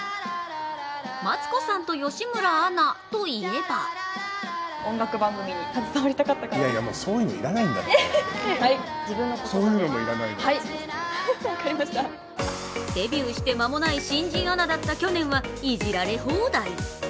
マツコさんと吉村アナといえばデビューして間もない新人アナだった去年はいじられ放題。